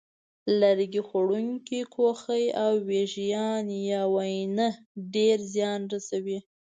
لرګي خوړونکي کوخۍ او وېږیان یا واینې ډېر زیان رسوي.